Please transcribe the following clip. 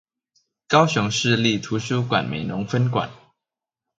高雄市立圖書館美濃分館